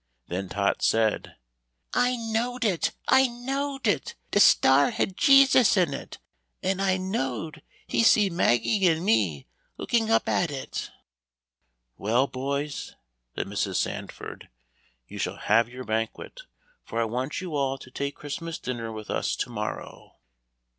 Then Tot said: "I knowed it. I knowed it! De star had Jesus in it, and I knowed He see Maggie and me looking up at it." "Well, boys," said Mrs. Sandford, "you shall have your banquet, for I want you all to take Christmas dinner with us to morrow."